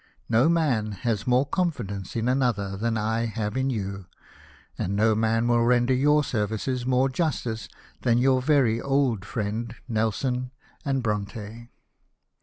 No man has more confidence in another than I have in you ; and no man will render your services more justice than your very old friend Nelson and Bronte."